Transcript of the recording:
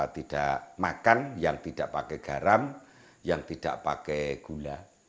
tidak makan yang tidak pakai garam yang tidak pakai gula